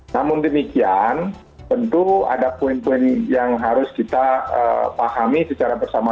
namun demikian tentu ada poin poin yang harus kita pahami secara bersama